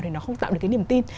thì nó không tạo được cái niềm tin